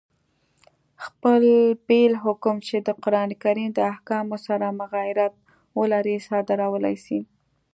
خپل بېل حکم، چي د قرآن کریم د احکامو سره مغایرت ولري، صادرولای سي.